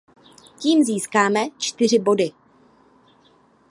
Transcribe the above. Tím získáme čtyři body.